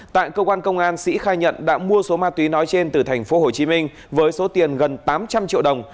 tại cơ quan công an sĩ khai nhận đã mua số ma túy nói trên từ tp hcm với số tiền gần tám trăm linh triệu đồng